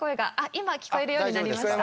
今聞こえるようになりました